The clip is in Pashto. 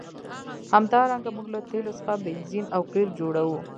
همدارنګه موږ له تیلو څخه بنزین او قیر جوړوو.